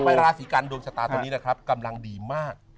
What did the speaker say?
ต่อไปลาสีกันดวงชะตาตอนนี้ครับกำลังดีมาก